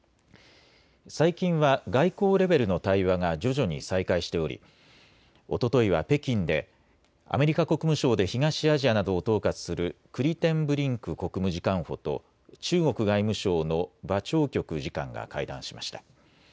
最近は外交レベルの対話が徐々に再開しており、おとといは北京でアメリカ国務省で東アジアなどを統括するクリテンブリンク国務次官補と中国外務省の馬朝旭次官が会談しました。